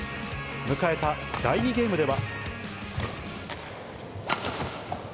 迎えた第２ゲームでは。